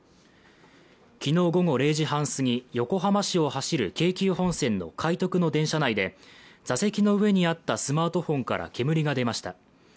昨日午後０時半すぎ横浜市を走る京急本線の快特の電車内で座席の上にあったスマートフォンから煙が出ました。